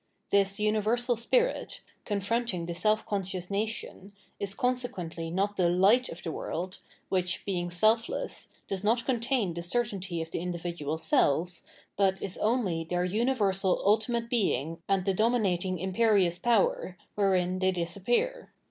This universal spirit, confronting the self conscious nation, is consequently not the " Light " of the world, which, being selfless, does not contain the certainty of the individual selves, but is only their universal ultimate Being and the dominating imperious power, wherein they disappear.